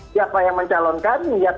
siapa yang mencalonkan niat